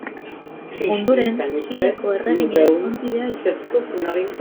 Ondoren, Siriako erregina ezkontidea izan zen.